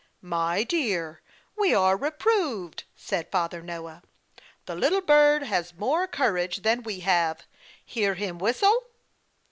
"'My dear, we are reproved,' said Father Noah. 'The little bird has more courage than we have. Hear him whistle.'